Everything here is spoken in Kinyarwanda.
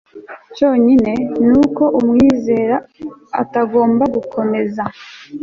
cyonyine, n'uko umwizera atagomba gukomeza